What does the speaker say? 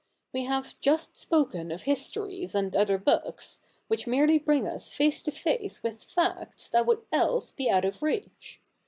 We have just spoken of histories and other books, which merely bring us face to face with facts that would else be out of our reach.